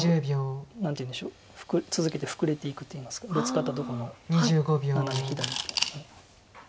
何ていうんでしょう続けてフクれていくといいますかブツカったとこのナナメ左。